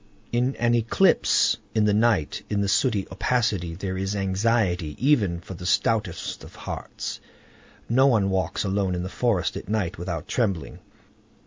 In an eclipse in the night, in the sooty opacity, there is anxiety even for the stoutest of hearts. No one walks alone in the forest at night without trembling.